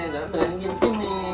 dan tegaknya gini gini